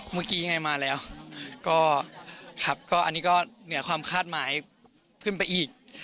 เมื่อกี้ยังไงมาแล้วก็ครับก็อันนี้ก็เหนือความคาดหมายขึ้นไปอีก